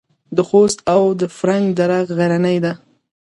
د خوست او فرنګ دره غرنۍ ده